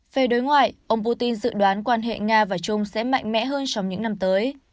về đối ngoại ông putin dự đoán quan hệ nga và trung sẽ mạnh mẽ hơn trong những năm tới